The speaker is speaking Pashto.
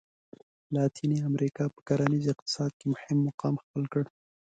لاتیني امریکا په کرنیز اقتصاد کې مهم مقام خپل کړ.